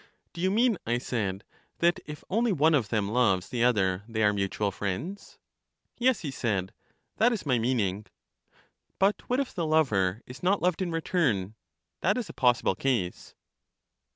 Do you mean, I said, that if only one of them loves the other, they are mutual friends? Yes, he said ; that is my meaning. But what if the lover is not loved in return? That is a possible case.